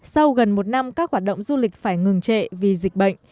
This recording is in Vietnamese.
sau gần một năm các hoạt động du lịch phải ngừng trệ vì dịch bệnh